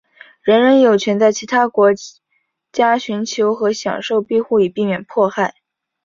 人人有权在其他国家寻求和享受庇护以避免迫害。